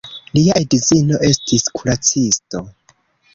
Lia edzino estis kuracisto.